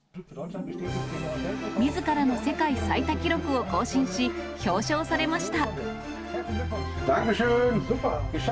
みずからの世界最多記録を更新し、表彰されました。